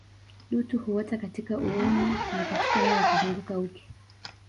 Dutu huota katika uume na katika eneo la kuzunguka uke